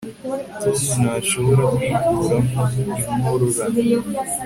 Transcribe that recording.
tom ntashobora kwikuramo inkorora